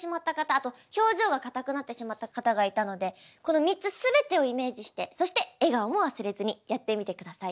あと表情が硬くなってしまった方がいたのでこの３つすべてをイメージしてそして笑顔も忘れずにやってみてください。